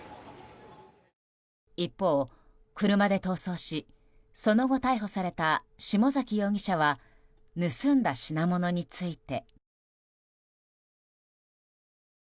一方、車で逃走しその後逮捕された下崎容疑者は盗んだ品物について。